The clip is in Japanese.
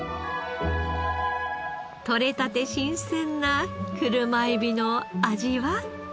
獲れたて新鮮な車エビの味は？